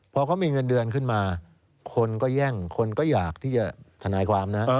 พอเขามีเงินเดือนขึ้นมาคนก็แย่งคนก็อยากที่จะทนายความนะ